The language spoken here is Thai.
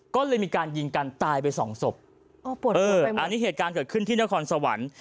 ก็เลยมีการยิงกันตายไปสองศพโอ้ปวดเอออันนี้เหตุการณ์เกิดขึ้นที่นครสวรรค์